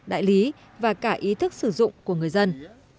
đại lý và cả ý thức sử dụng của người dân